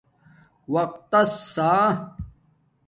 وقت تس سآ